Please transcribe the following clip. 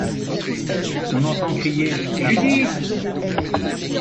On entend crier : Judith !